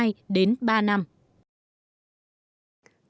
quý vị và các bạn thân mến